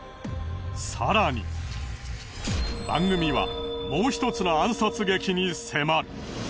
番組はもう一つの暗殺劇に迫る。